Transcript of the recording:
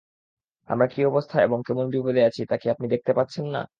আমরা কী অবস্থায় এবং কেমন বিপদে আছি তা কি আপনি দেখতে পাচ্ছেন না?